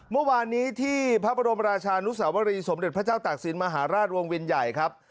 เมื่อวานนี้ที่พระบรมราชานุสาวรีสมเด็จพระเจ้าตากศิลปมหาราชวงศ์วินใหญ่ครับ